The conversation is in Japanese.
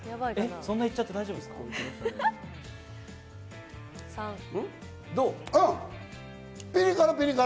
そんなに行っちゃって大丈夫ピリ辛！